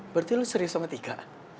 berarti lo serius sama tika